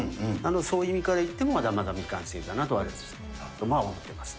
そういう意味から言っても、まだまだ未完成だなとわれわれとしては思ってます。